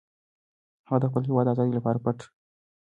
هغه د خپل هېواد د ازادۍ لپاره پټ پلانونه جوړول.